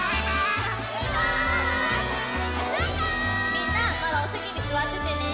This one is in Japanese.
みんなまだおせきにすわっててね。